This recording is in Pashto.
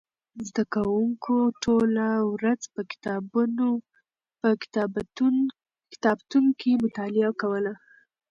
زده کوونکو ټوله ورځ په کتابتون کې مطالعه کوله.